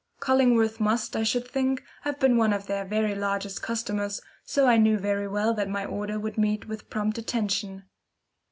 Cullingworth must, I should think, have been one of their very largest customers, so I knew very well that my order would meet with prompt attention.